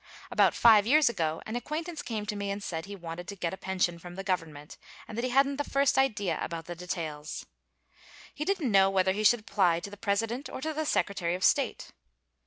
About five years ago an acquaintance came to me and said he wanted to get a pension from the government, and that he hadn't the first idea about the details. He didn't know whether he should apply to the President or to the Secretary of State.